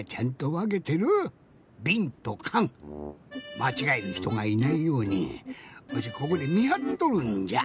まちがえるひとがいないようにわしここでみはっとるんじゃ。